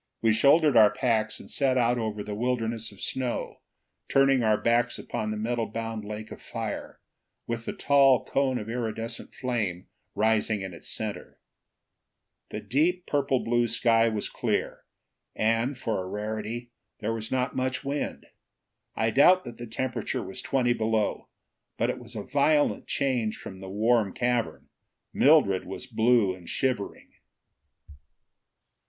We shouldered our packs and set out over the wilderness of snow, turning our backs upon the metal bound lake of fire, with the tall cone of iridescent flame rising in its center. The deep, purple blue sky was clear, and, for a rarity, there was not much wind. I doubt that the temperature was twenty below. But it was a violent change from the warm cavern. Mildred was blue and shivering.